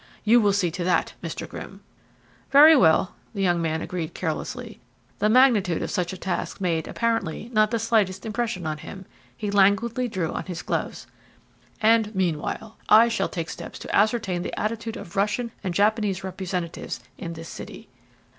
You will see to that, Mr. Grimm." "Very well," the young man agreed carelessly. The magnitude of such a task made, apparently, not the slightest impression on him. He languidly drew on his gloves. "And meanwhile I shall take steps to ascertain the attitude of Russian and Japanese representatives in this city."